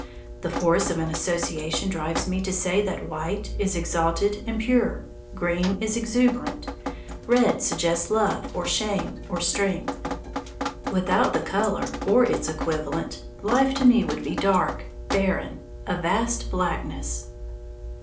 The force of association drives me to say that white is exalted and pure, green is exuberant, red suggests love or shame or strength. Without the colour or its equivalent, life to me would be dark, barren, a vast blackness.